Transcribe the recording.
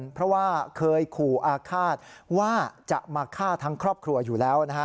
เพราะว่าเคยขู่อาฆาตว่าจะมาฆ่าทั้งครอบครัวอยู่แล้วนะฮะ